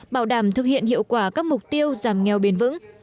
bảo đảm thực hiện hiệu quả các mục tiêu giảm nghèo bền vững